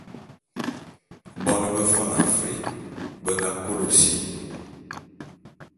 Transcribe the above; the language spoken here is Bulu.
Bon bé Fan Afri be nga kôlô si.